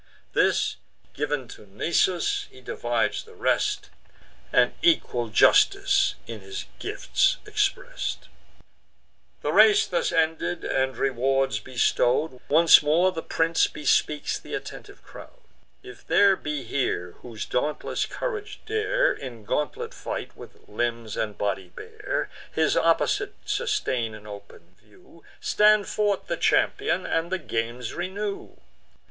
This giv'n to Nisus, he divides the rest, And equal justice in his gifts express'd. The race thus ended, and rewards bestow'd, Once more the prince bespeaks th' attentive crowd: "If there be here, whose dauntless courage dare In gauntlet fight, with limbs and body bare, His opposite sustain in open view, Stand forth the champion, and the games renew.